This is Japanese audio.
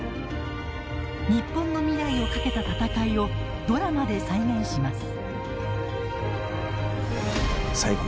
日本の未来を賭けた闘いをドラマで再現します。